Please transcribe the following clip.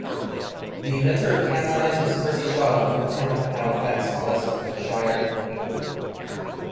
The inventor of cat's eyes was Percy Shaw of Boothtown, Halifax, West Yorkshire, England.